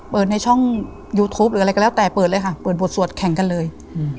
ในช่องยูทูปหรืออะไรก็แล้วแต่เปิดเลยค่ะเปิดบทสวดแข่งกันเลย